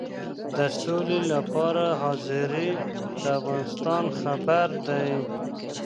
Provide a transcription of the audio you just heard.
د سولې لپاره حاضري د افغانستان خیر دی.